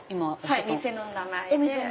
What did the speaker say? はい店の名前で。